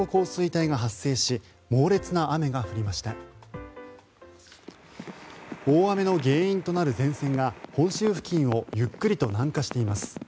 大雨の原因となる前線が本州付近をゆっくりと南下しています。